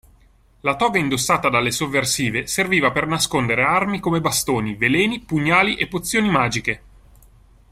La toga indossata dalle sovversive serviva per nascondere armi come bastoni, veleni, pugnali e pozioni magiche.